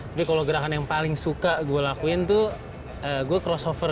tapi kalau gerakan yang paling suka gue lakuin tuh gue crossover